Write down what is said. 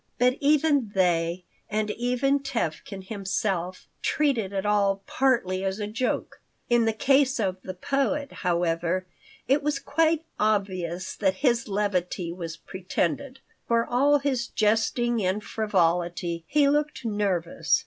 But even they, and even Tevkin himself, treated it all partly as a joke. In the case of the poet, however, it was quite obvious that his levity was pretended. For all his jesting and frivolity, he looked nervous.